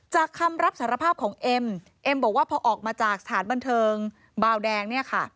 คำรับสารภาพของเอ็มเอ็มบอกว่าพอออกมาจากสถานบันเทิงบาวแดงเนี่ยค่ะ